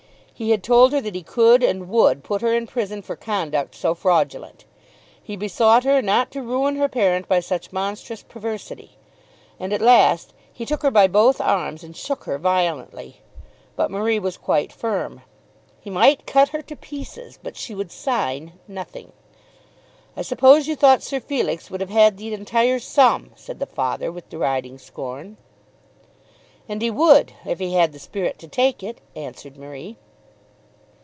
He had told her that he could and would put her in prison for conduct so fraudulent. He besought her not to ruin her parent by such monstrous perversity. And at last he took her by both arms and shook her violently. But Marie was quite firm. He might cut her to pieces; but she would sign nothing. "I suppose you thought Sir Felix would have had the entire sum," said the father with deriding scorn. "And he would; if he had the spirit to take it," answered Marie.